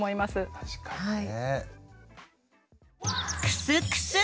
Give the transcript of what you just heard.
確かにね。